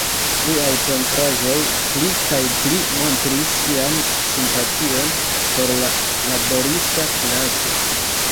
Liaj pentraĵoj pli kaj pli montris sian simpation por la laborista klaso.